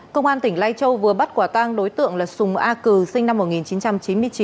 công an tỉnh lai châu vừa bắt quả tang đối tượng là sùng a cừ sinh năm một nghìn chín trăm chín mươi chín